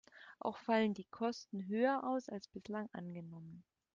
Auch fallen die Kosten höher aus, als bislang angenommen.